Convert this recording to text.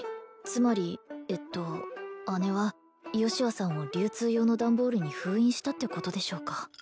つまりえっと姉はヨシュアさんを流通用の段ボールに封印したってことでしょうか？